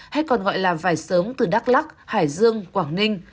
hay còn gọi là vải sớm từ đắk lắc hải dương quảng ninh